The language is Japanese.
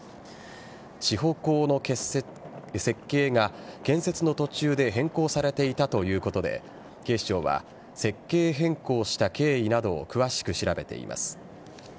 支保工の設計が建設の途中で変更されていたということで警視庁は設計変更した経緯などを詳しく調べています。